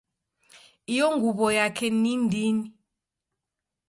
Iyo nguw'o yeka ni ndini